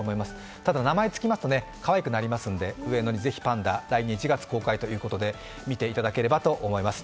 ただ、名前つきますとかわいくなりますので上野にぜひパンダ、来年１月公開ということで見ていただければと思います。